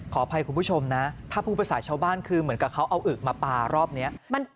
ขออภัยคุณผู้ชมนะถ้าพูดภาษาชาวบ้านคือเหมือนกับเขาเอาอึกมาปลารอบนี้